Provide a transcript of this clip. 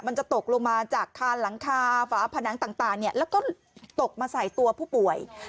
มันจะตกลงมาจากคานหลังคาฝาผนังต่างแล้วก็ตกมาใส่ตัวผู้ป่วย